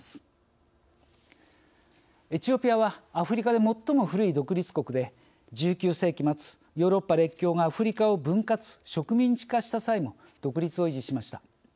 エチオピアはアフリカで最も古い独立国で１９世紀末ヨーロッパ列強がアフリカを分割植民地化した際も独立を維持しました。